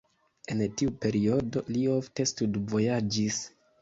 En tiu periodo li ofte studvojaĝis.